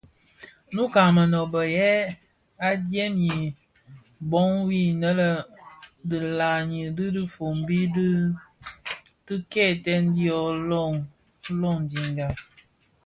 Nnouka a Mënōbō yè adyèm i mbōg wui inne dhi nlaňi dhifombi di kidèè dyo londinga.